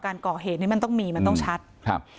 การก่อเหตุนี้มันต้องมีมันต้องชัดครับ